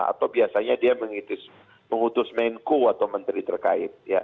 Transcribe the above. atau biasanya dia mengutus menko atau menteri terkait